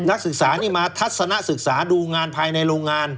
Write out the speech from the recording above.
นักศึกษานี่มาทัศนะศึกษาดูงานภายในโรงงาน